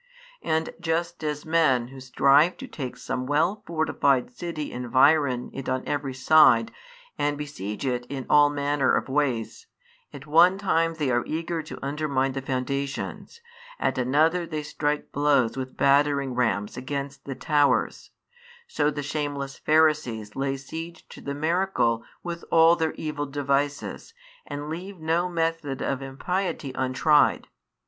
And just as men who strive to take some well fortified city environ it on every side and besiege it in all manner of ways; at one time they are eager to undermine the foundations, at another they strike blows with battering rams against the towers: so the shameless Pharisees lay siege to the miracle with all their evil devices and leave no method of impiety untried.